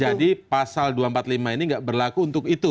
jadi pasal dua ratus empat puluh lima ini gak berlaku untuk itu